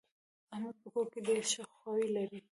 احمد په کور کې ډېر ښه خوی لري.